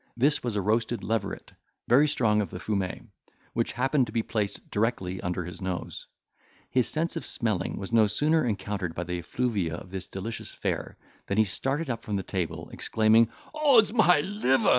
This was a roasted leveret, very strong of the fumet, which happened to be placed directly under his nose. His sense of smelling was no sooner encountered by the effluvia of this delicious fare, than he started up from table, exclaiming, "Odd's my liver!